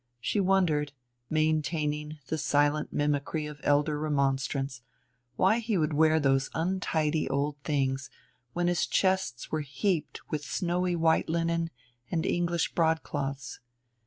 She wondered, maintaining the silent mimicry of elder remonstrance, why he would wear those untidy old things when his chests were heaped with snowy white linen and English broadcloths.